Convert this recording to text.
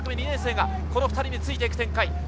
２年生がこの２人についていく展開。